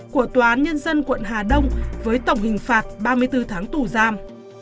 của tòa án nhân dân quận hà đông với tổng hình phạt ba mươi bốn tháng tù giam